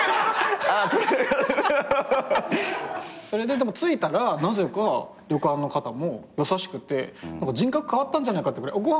それででも着いたらなぜか旅館の方も優しくて人格変わったんじゃないかってぐらい。